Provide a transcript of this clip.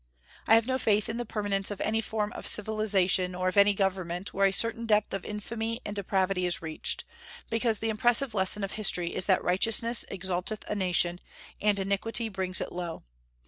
I have no faith in the permanence of any form of civilization, or of any government, where a certain depth of infamy and depravity is reached; because the impressive lesson of history is that righteousness exalteth a nation, and iniquity brings it low.